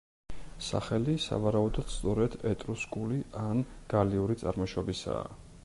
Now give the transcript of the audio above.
სახელი სავარაუდოდ სწორედ ეტრუსკული ან გალიური წარმოშობისაა.